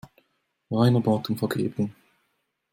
Rainer bat um Vergebung.